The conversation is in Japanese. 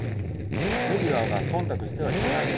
メディアがそんたくしてはいけない。